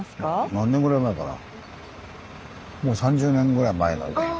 何年ぐらい前かなもう３０年ぐらい前になるかな